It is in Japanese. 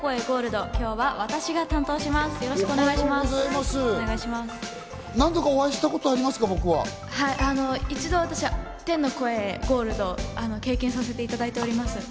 ゴールド、今日は私が担当します。